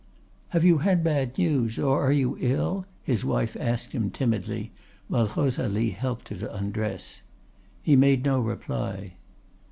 "'Have you had bad news, or are you ill?' his wife asked him timidly, while Rosalie helped her to undress. He made no reply.